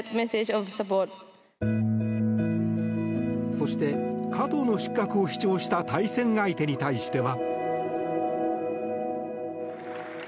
そして、加藤の失格を主張した対戦相手に対しては。